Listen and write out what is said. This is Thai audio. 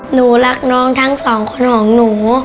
หนูรักน้องทั้งสองคนของหนู